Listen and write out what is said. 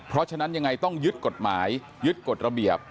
เพราะฉะนั้นยังไงต้องยึดกฎหมายยึดกฎระเบียบ